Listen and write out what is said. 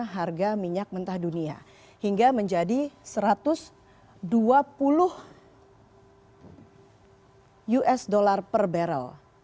harga minyak mentah dunia hingga menjadi satu ratus dua puluh usd per barrel